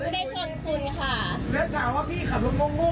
ใช่ค่ะเรามีกล้องผมนับหนึ่งถึงสิบถ้าประกาศพี่มาผมคุย